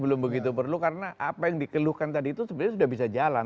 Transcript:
belum begitu perlu karena apa yang dikeluhkan tadi itu sebenarnya sudah bisa jalan